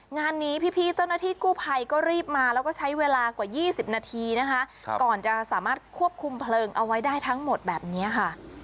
งานนี้พี่เจ้าหน้าที่กู้ภัยก็รีบมาแล้วก็ใช้เวลากว่า๒๐นาทีนะคะก่อนจะสามารถควบคุมเพลิงเอาไว้ได้ทั้งหมดแบบนี้ค่ะ